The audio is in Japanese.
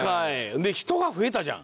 で人が増えたじゃん。